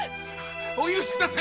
お許しください。